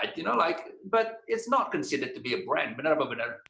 tidak terlalu buruk tapi tidak dianggap sebagai perusahaan